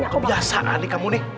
kebiasaan nih kamu nih